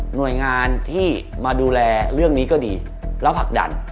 หน่วยงานที่มาดูแลเรื่องนี้ก็ดีแล้วผลักดัน